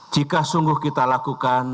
jika sungguh kita lakukan